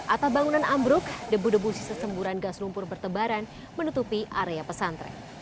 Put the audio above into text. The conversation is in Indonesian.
atap bangunan ambruk debu debu sisa semburan gas lumpur bertebaran menutupi area pesantren